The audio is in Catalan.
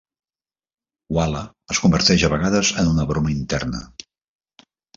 Walla es converteix a vegades en una broma interna.